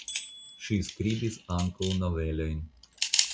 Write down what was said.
Ŝi skribis ankaŭ novelojn.